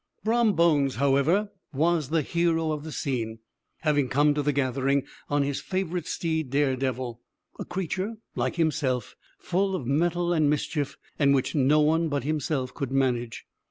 Brom Bones, however, was the hero of the scene, having come to the gathering on his favorite steed Daredevil, a creature, like himself, full of mettle and mischief, and which no one but himself could manage.